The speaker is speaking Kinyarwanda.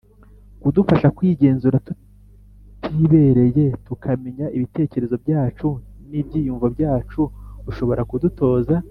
kudufasha kwigenzura tutibereye tukamenya ibitekerezo byacu n ibyiyumvo byacu Ushobora kudutoza